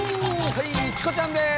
はいチコちゃんです。